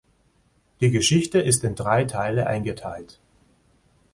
Die Geschichte ist in drei Teile eingeteilt.